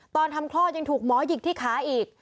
ตอนทำคลอดยังถูกหมอหยิกที่ขาอีก